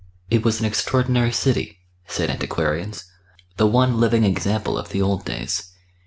It was an extraordinary city, said antiquarians the one living example of the old days.